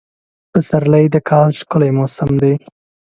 پسرلی د کال ښکلی موسم دی.